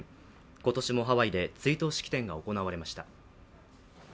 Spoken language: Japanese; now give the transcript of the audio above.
今年もハワイで追悼式典が行われました。